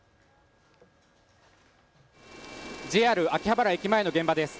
ＪＲ秋葉原駅前の現場です。